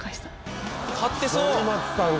買ってそう！